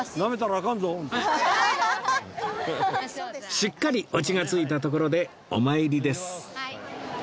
しっかりオチがついたところでお参りです